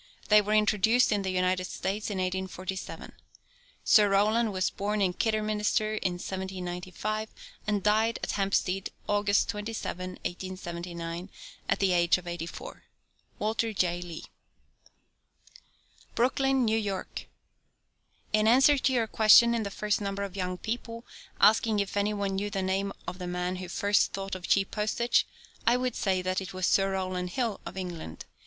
They were introduced in the United States in 1847. Sir Rowland was born at Kidderminster in 1795, and died at Hampstead August 27, 1879, at the age of eighty four. WALTER J. LEE. BROOKLYN, NEW YORK. In answer to your question in the first number of Young People, asking if any one knew the name of the man who first thought of cheap postage, I would say that it was Sir Rowland Hill, of England.